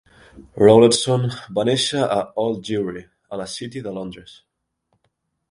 Rowlandson va néixer a Old Jewry, a la "City" de Londres.